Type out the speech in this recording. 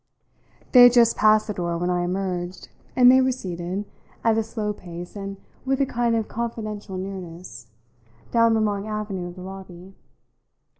They had just passed the door when I emerged, and they receded, at a slow pace and with a kind of confidential nearness, down the long avenue of the lobby.